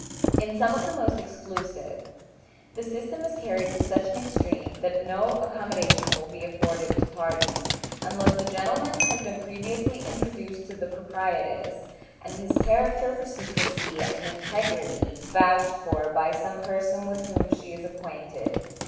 In some of the most exclusive, the system is carried to such an extreme that no accommodation will be afforded to parties unless the gentleman has been previously introduced to the proprietress, and his character for secrecy and integrity vouched for by some person with whom she is acquainted.